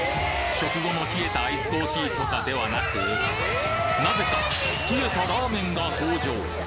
食後の冷えたアイスコーヒーとかではなくなぜか冷えたラーメンが登場